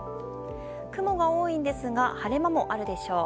雲が多いですが晴れ間もあるでしょう。